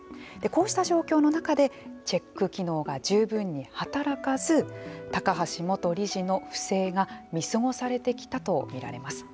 こうした状況の中でチェック機能が十分に働かず高橋元理事の不正が見過ごされてきたと見られます。